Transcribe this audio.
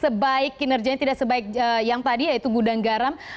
sebaik kinerjanya tidak sebaik yang tadi yaitu gudang garam